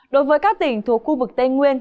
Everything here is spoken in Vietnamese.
đối với các tỉnh thuộc khu vực tây nguyên